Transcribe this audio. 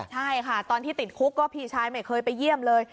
ใช่ค่ะตอนที่ติดคุกก็พี่ชายไม่เคยไปเยี่ยมเลย